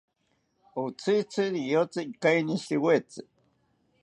Otzitzi riyotzi ikainishiriwetzi